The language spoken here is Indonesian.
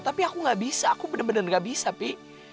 tapi aku gak bisa aku bener bener gak bisa pi